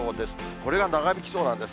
これが長引きそうなんです。